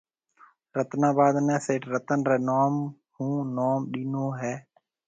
رتن آباد نيَ سيٺ رتن رَي نوم ھون نوم ڏينو ھيََََ